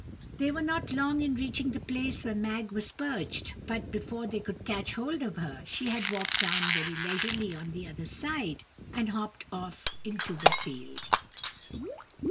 They were not long in reaching the place where Mag was perched; but, before they could catch hold of her, she had walked down very leisurely on the other side, and hopped off into the field.